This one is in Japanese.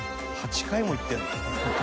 「８回も行ってるの？」